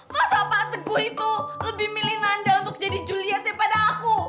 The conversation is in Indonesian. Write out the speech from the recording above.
masa pak teguh itu lebih milih nanda untuk jadi juliet daripada aku